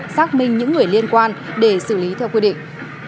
xác minh những người liên quan để xử lý theo quy định